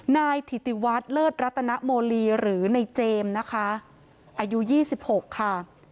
นายถิติวัฒน์เลิศรัตนโมลีหรือในเจมส์นะคะอายุ๒๖ค่ะ